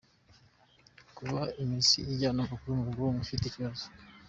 Kuba imitsi ijyana amakuru mu bwonko ifite ikibazo.